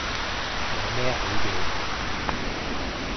有咩好嘢食